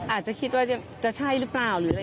อาจจะคิดว่าจะใช่หรือเปล่า